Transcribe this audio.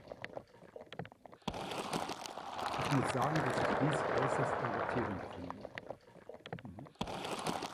Ich muss sagen, dass ich dies äußerst irritierend finde.